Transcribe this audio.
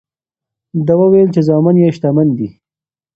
ده وویل چې زامن یې شتمن دي.